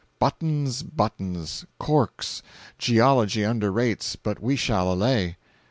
Buttons, buttons, corks, geology underrates but we shall allay.